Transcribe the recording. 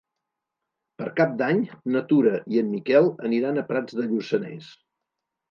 Per Cap d'Any na Tura i en Miquel aniran a Prats de Lluçanès.